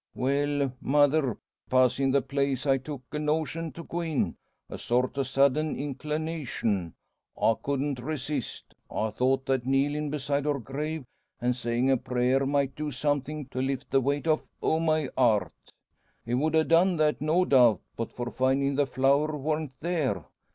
"Well, mother; passin' the place, I took a notion to go in a sort o' sudden inclinashun, I couldn't resist. I thought that kneelin' beside her grave, an' sayin' a prayer might do somethin' to lift the weight off o' my heart. It would a done that, no doubt, but for findin' the flower warn't there.